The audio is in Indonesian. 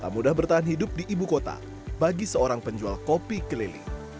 tak mudah bertahan hidup di ibu kota bagi seorang penjual kopi keliling